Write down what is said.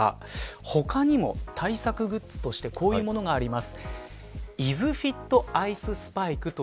他にも対策グッズとしてこういうものがあります。